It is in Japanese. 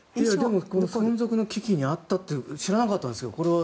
存続の危機にあったって知らなかったんですよ。